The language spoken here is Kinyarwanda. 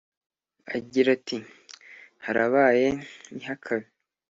agira ati: "harabaye ntihakabe